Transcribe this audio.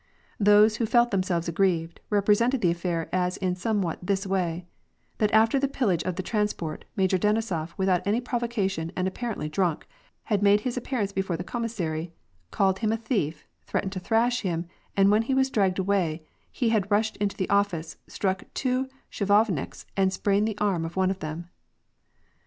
Those who felt themselves aggrieved, represented the affair as in somewhat this way : that after the pillage of the trans port, Major Denisof, without any provocation and apparently drunk, had made his appearance before the " commissary, called him a thief, threatened to thrash him, and when he was dragged away, he had rushed into the office, struck two ehitufv niks, and sprained the arm of one of them.